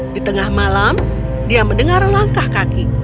di tengah malam dia mendengar langkah kaki